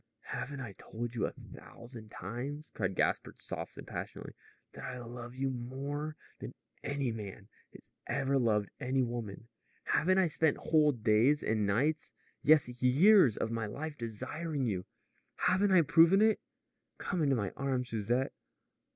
"Haven't I told you a thousand times," cried Gaspard softly and passionately, "that I love you more than any man has ever loved any woman? Haven't I spent whole days and nights yes, years of my life desiring you? Haven't I proven it? Come into my arms, Susette.